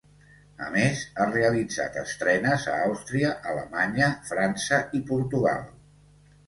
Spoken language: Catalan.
A més ha realitzat estrenes a Àustria, Alemanya, França i Portugal.